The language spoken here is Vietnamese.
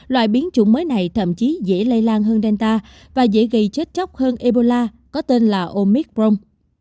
loại biến chủng mới này thậm chí dễ lây lan hơn delta và dễ gây chết chóc hơn ebola có tên là omicron